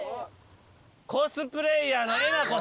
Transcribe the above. コスプレイヤーのえなこさん。